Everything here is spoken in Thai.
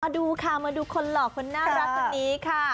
ดูค่ะมาดูคนหล่อคนน่ารักคนนี้ค่ะ